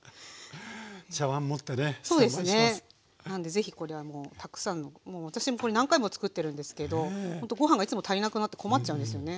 是非これたくさんのもう私もこれ何回もつくってるんですけどほんとご飯がいつも足りなくなって困っちゃうんですよね。